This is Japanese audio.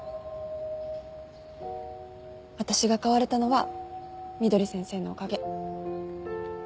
私が変われたのはみどり先生のおかげ。